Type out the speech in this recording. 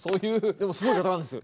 でもすごい方なんです。